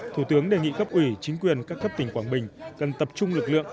thủ tướng đề nghị cấp ủy chính quyền các cấp tỉnh quảng bình cần tập trung lực lượng